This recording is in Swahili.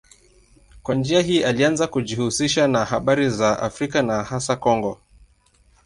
Kwa njia hii alianza kujihusisha na habari za Afrika na hasa Kongo.